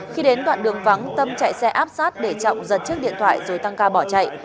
khi đến đoạn đường vắng tâm chạy xe áp sát để trọng giật chiếc điện thoại rồi tăng ca bỏ chạy